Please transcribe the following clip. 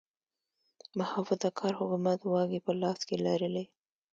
محافظه کار حکومت واګې په لاس کې لرلې.